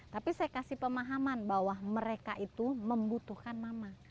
tapi saya kasih pemahaman bahwa mereka itu membutuhkan mama